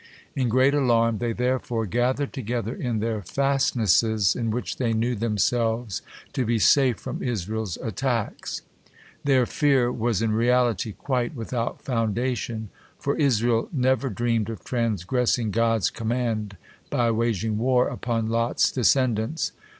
In great alarm they therefore gathered together in their fastnesses, in which they knew themselves to be safe from Israel's attacks. Their fear was in reality quite without foundation, for Israel never dreamed of transgressing God's command by waging war upon Lot's descendants.